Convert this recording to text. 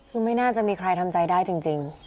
คือไม่น่าจะมีใครทำใจได้จริง